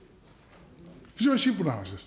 非常にシンプルな話です。